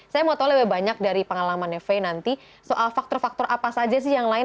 saya mau tahu lebih banyak dari pengalaman faye nanti soal faktor faktor apa saja sih yang lain